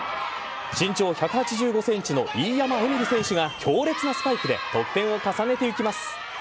身長１８５ｃｍの飯山エミリ選手が強烈なスパイクで得点を重ねていきます。